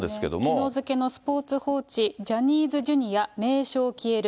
きのう付けのスポーツ報知、ジャニーズＪｒ．名称消える。